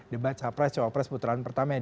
debat capres cowokpres putraan pertama yang